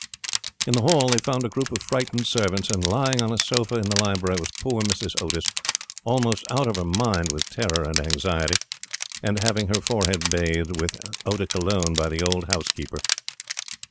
In the hall they found a group of frightened servants, and lying on a sofa in the library was poor Mrs. Otis, almost out of her mind with terror and anxiety, and having her forehead bathed with eau de cologne by the old housekeeper.